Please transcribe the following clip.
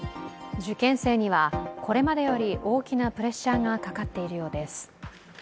受験生にはこれまでより大きなプレッシャーがかかっているようです。